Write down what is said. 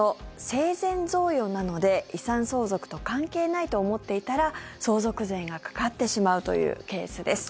生前贈与なので遺産相続と関係ないと思っていたら相続税がかかってしまうというケースです。